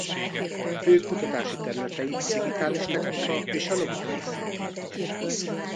Fő kutatási területei a digitális technika és a logikai szintézis.